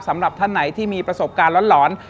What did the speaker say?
สำหรับท่านไหนที่มีประสบการณ์หลอน